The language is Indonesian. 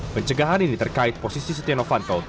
pencegahan ini terkait posisi setia novanto